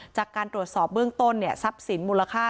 จากการตรวจสอบเบื้องต้นเนี่ยทรัพย์สินมูลค่า